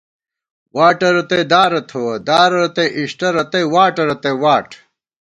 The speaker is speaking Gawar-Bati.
واٹہ رتئ دارہ تھووَہ، دارہ رتئ اِݭٹہ ، رتئ واٹہ رتئ واٹ